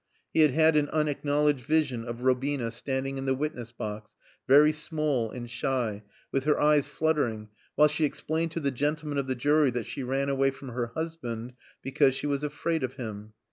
He had had an unacknowledged vision of Robina standing in the witness box, very small and shy, with her eyes fluttering while she explained to the gentlemen of the jury that she ran away from her husband because she was afraid of him.